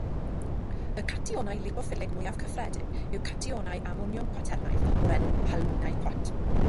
Y catïonau lipoffilig mwyaf cyffredin yw catïonau amoniwm cwaternaidd, o'r enw "halwynau cwat".